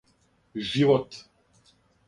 живот